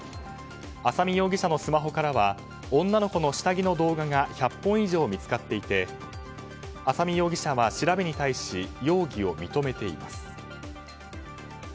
浅見容疑者のスマホからは女の子の下着の動画が１００本以上見つかっていて浅見容疑者は調べに対し容疑を認めています。